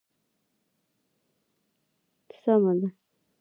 سمه ده.